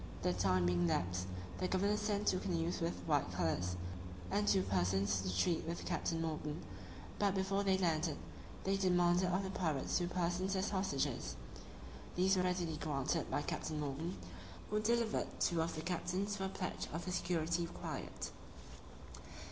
The time being elapsed, the governor sent two canoes with white colours, and two persons to treat with Captain Morgan; but, before they landed, they demanded of the pirates two persons as hostages. These were readily granted by Captain Morgan, who delivered them two of the captains for a pledge of the security required.